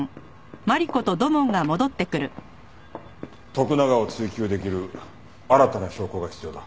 徳永を追及できる新たな証拠が必要だ。